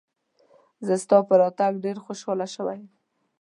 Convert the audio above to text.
زه ستا په راتګ ډېر خوشاله شوی یم.